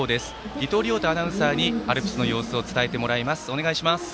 伊藤亮太アナウンサーにアルプスの様子を伝えてもらいます。